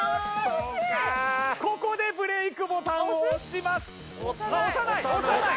ここでブレイクボタンを押しますあ押さない？